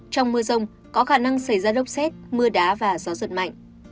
trong mưa rông có khả năng xảy ra lốc xét mưa đá và gió giật mạnh